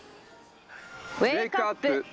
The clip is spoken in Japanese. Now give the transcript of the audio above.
ウェークアップ。